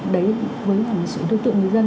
đấy với những số lượng đối tượng người dân